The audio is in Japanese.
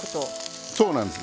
そうなんです。